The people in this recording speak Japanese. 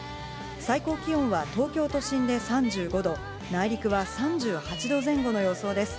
最高気温は東京都心で３５度、内陸は３８度前後の予想です。